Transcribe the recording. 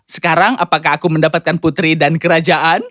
sekarang apakah aku mendapatkan putri dan kerajaan